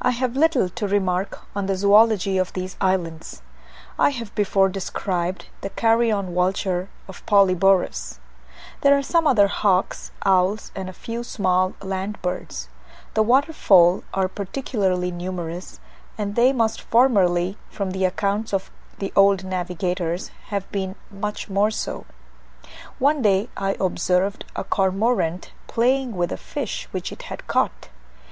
I have little to remark on the zoology of these islands. have before described the carrion vulture of Polyborus. There are some other hawks, owls, and a few small land birds. The water fowl are particularly numerous, and they must formerly, from the accounts of the old navigators, have been much more so. One day I observed a cormorant playing with a fish which it had caught.